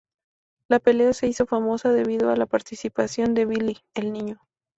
La pelea se hizo famosa debido a la participación de Billy el Niño.